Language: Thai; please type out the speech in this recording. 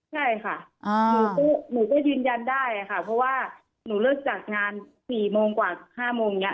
ใช่ค่ะหนูก็ยืนยันได้ค่ะเพราะว่าหนูเลิกจัดงาน๔โมงกว่า๕โมงอย่างนี้